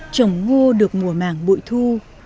trồng ngô được mùa mảng bụi thu